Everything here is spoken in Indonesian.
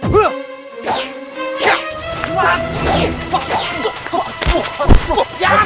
hanya setelah saya meng offered dialogues and